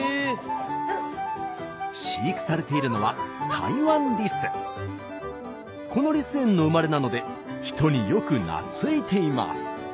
飼育されているのはこのリス園の生まれなので人によく懐いています。